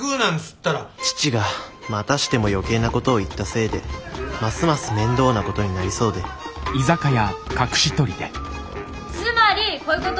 父がまたしても余計なことを言ったせいでますます面倒なことになりそうでつまりこういうことですね。